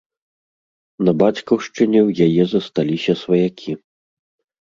На бацькаўшчыне ў яе засталіся сваякі.